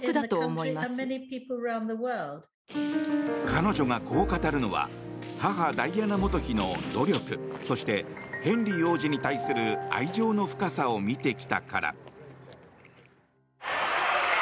彼女がこう語るのは母ダイアナ元妃の努力そして、ヘンリー王子に対する愛情の深さを見てきたから。